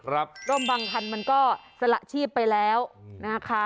ร่มบางคันมันก็สละชีพไปแล้วนะคะ